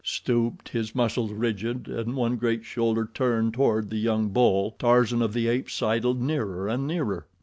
Stooped, his muscles rigid and one great shoulder turned toward the young bull, Tarzan of the Apes sidled nearer and nearer.